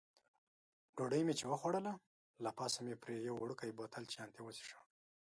ډوډۍ مې چې وخوړله، له پاسه مې پرې یو وړوکی بوتل چیانتي وڅېښه.